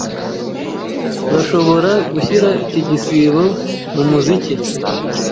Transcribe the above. Urashobora gushyira iki gisigo mumuziki?